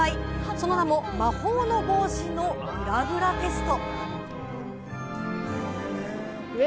その名も魔法の帽子のグラグラテスト。